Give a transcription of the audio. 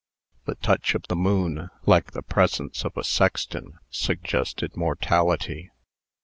The touch of the moon, like the presence of a sexton, suggested mortality.